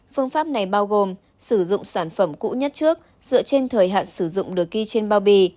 phương pháp này bao gồm sử dụng sản phẩm cũ nhất trước dựa trên thời hạn sử dụng được ghi trên bao bì